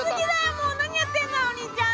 もう何やってんだよお兄ちゃん！